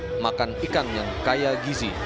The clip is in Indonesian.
menjaga kekuatan ikan yang kaya gizi